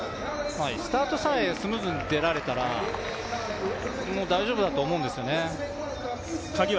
スタートさえスムーズに出られたら大丈夫だと思うんですよね。